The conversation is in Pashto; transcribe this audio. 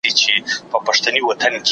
آیا ته په پښتو ژبه کي شعر لوستلی سی؟